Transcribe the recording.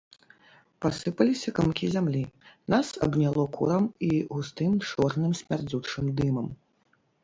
Пасыпаліся камкі зямлі, нас абняло курам і густым, чорным смярдзючым дымам.